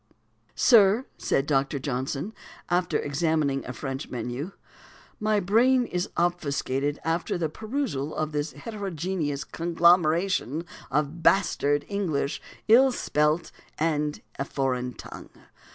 "Sir," said Dr. Johnson, after examining a French menu, "my brain is obfuscated after the perusal of this heterogeneous conglomeration of bastard English ill spelt, and a foreign tongue.